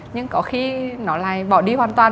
nhưng có khi nó lại bỏ đi hoàn toàn